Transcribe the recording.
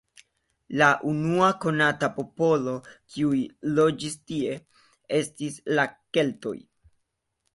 La unua konata popolo, kiuj loĝis tie, estis la keltoj.